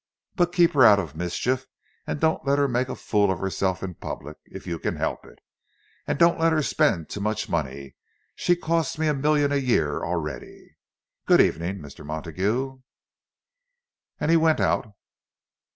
But keep her out of mischief, and don't let her make a fool of herself in public, if you can help it. And don't let her spend too much money—she costs me a million a year already.—Good evening, Mr. Montague." And he went out.